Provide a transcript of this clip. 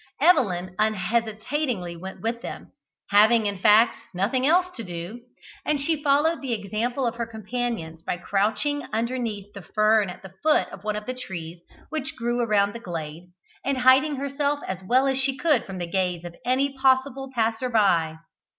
Evelyn unhesitatingly went with them, having in fact nothing else to do, and she followed the example of her companions by crouching underneath the fern at the foot of one of the trees which grew around the glade, and hiding herself as well as she could from the gaze of any possible passer by.